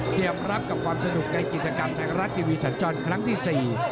รับกับความสนุกในกิจกรรมไทยรัฐทีวีสันจรครั้งที่๔